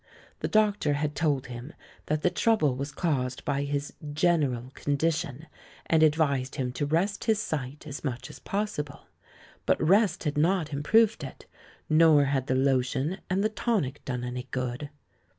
The doctor had told him that the trouble was caused by his "general con dition" and advised him to rest his sight as much as possible. But rest had not improved it, nor had the lotion and the tonic done any good.